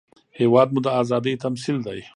هېواد مو د ازادۍ تمثیل دی